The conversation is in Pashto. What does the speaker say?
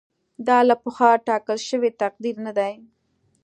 دا له پخوا ټاکل شوی تقدیر نه دی.